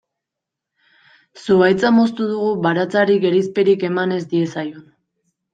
Zuhaitza moztu dugu baratzari gerizperik eman ez diezaion.